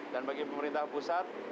dan bagi pemerintah pusat